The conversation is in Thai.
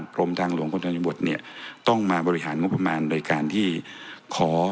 กรมทางหลวงพนธนบทต้องมาบริหารมุมประมาณโดยการที่ขอ